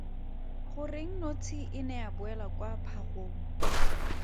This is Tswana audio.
Goreng notshe e ne ya boela kwa phagong?